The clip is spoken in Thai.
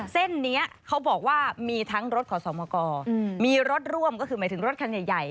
เส้นนี้เขาบอกว่ามีทั้งรถขอสมกรมีรถร่วมก็คือหมายถึงรถคันใหญ่